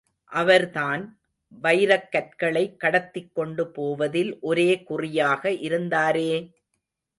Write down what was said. அவர்தான், வைரக்கற்களை கடத்திக் கொண்டு போவதில் ஒரே குறியாக இருந்தாரே!